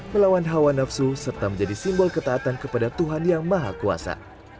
melawan hawa nafsu serta menjadi simbol ketaatan kepada tuhan yang maha kuasa